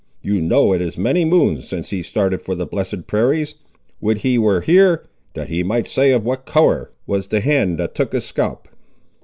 You know it is many moons since he started for the blessed prairies; would he were here, that he might say of what colour was the hand that took his scalp!"